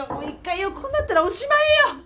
一回横になったらおしまいよ！